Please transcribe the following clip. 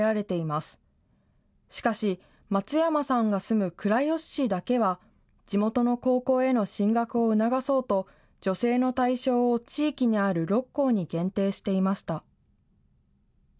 しかし、松山さんが住む倉吉市だけは、地元の高校への進学を促そうと、助成の対象を地域にある６校に限定していました。